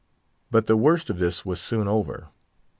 But the worse of this was soon over.